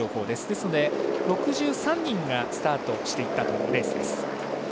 ですので、６３人がスタートしていったレースです。